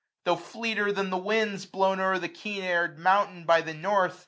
tho* fleeter than the winds Blown o'er the keen airM mountain by the north.